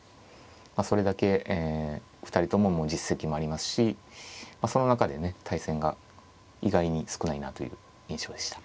まあそれだけ２人とももう実績もありますしまあその中でね対戦が意外に少ないなという印象でした。